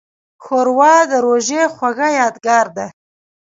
ښوروا د روژې خوږه یادګار ده.